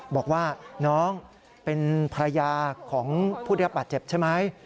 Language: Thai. บอกว่าน้องเป็นภรรยาของพุทธิปัจจับใช่ไหม